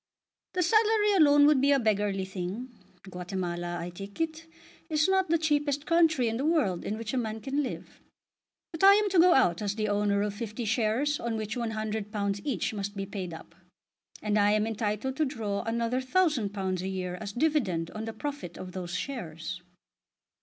"The salary alone would be a beggarly thing. Guatemala, I take it, is not the cheapest country in the world in which a man can live. But I am to go out as the owner of fifty shares on which £100 each must be paid up, and I am entitled to draw another £1000 a year as dividend on the profit of those shares."